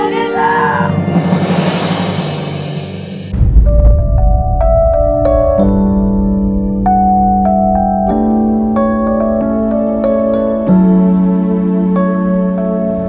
tolong diam dok